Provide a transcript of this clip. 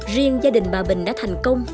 riêng gia đình bà bình đã thành công